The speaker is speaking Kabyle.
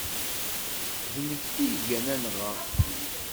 D nekk ay igan anɣa.